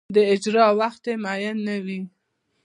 د اجرا وخت یې معین نه وي.